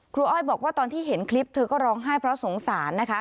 อ้อยบอกว่าตอนที่เห็นคลิปเธอก็ร้องไห้เพราะสงสารนะคะ